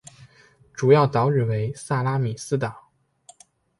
主要岛屿为萨拉米斯岛。